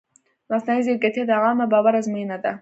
مصنوعي ځیرکتیا د عامه باور ازموینه ده.